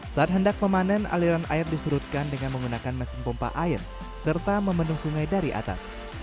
saat hendak memanen aliran air disurutkan dengan menggunakan mesin pompa air serta memendung sungai dari atas